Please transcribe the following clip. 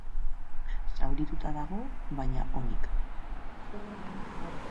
Zaurituta dago, baina onik.